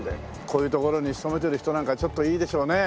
こういうところに勤めてる人なんかはちょっといいでしょうね